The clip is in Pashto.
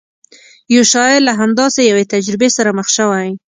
یو شاعر له همداسې یوې تجربې سره مخ شوی.